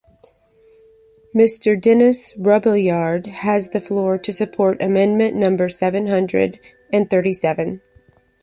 Mr. Denys Robiliard has the floor to support amendment number seven hundred and thirty-seven.